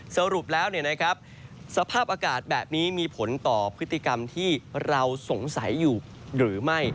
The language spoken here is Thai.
สรุปแล้วสภาพอากาศแบบนี้มีผลต่อพฤติกรรมที่เราสงสัยอยู่หรือไม่